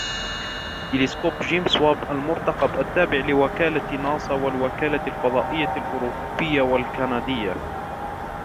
تلسكوب جيمس واب المرتقب التابع لوكالة ناسا و الوكالة الفضائية الأوربية والكندية